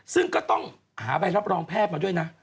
ซึ่งก็ต้องหาใบรับรองแพทย์มาด้วยนะ